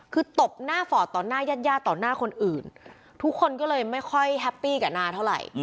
คือตบหน้าฟอร์ดต่อหน้าญาติญาติต่อหน้าคนอื่นทุกคนก็เลยไม่ค่อยแฮปปี้กับนาเท่าไหร่